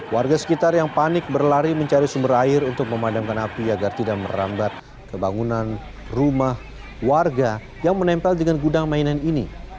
warga sekitar yang panik berlari mencari sumber air untuk memadamkan api agar tidak merambat ke bangunan rumah warga yang menempel dengan gudang mainan ini